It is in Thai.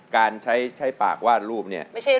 การใช้ปากวาดรูปเนี่ย